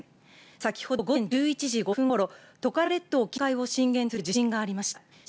先ほど午前１１時５分頃、トカラ列島近海を震源とする地震がありました。